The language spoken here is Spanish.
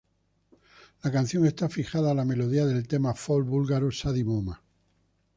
La canción está fijada a la melodía del tema "folk" búlgaro "Sadi Moma".